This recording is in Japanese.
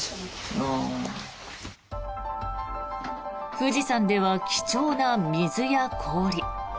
富士山では貴重な水や氷。